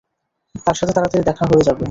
তার সাথে তাড়াতাড়ি দেখা হয়ে যাবে।